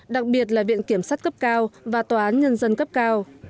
đặc biệt là viện kiểm sát cấp cao và tòa án nhân dân cấp cao